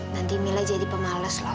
nanti mila jadi pemales loh